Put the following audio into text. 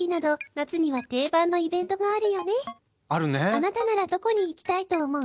あなたならどこに行きたいと思う？